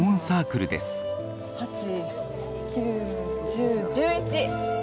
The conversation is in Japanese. ８９１０１１！